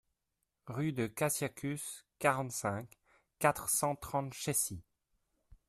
Rue de Caciacus, quarante-cinq, quatre cent trente Chécy